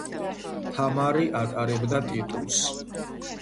თამარი ატარებდა ტიტულს